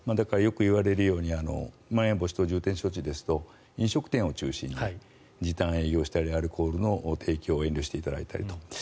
よく言われるようにまん延防止等重点措置ですと飲食店を中心に時短営業したりアルコールの提供を遠慮していただいたりと。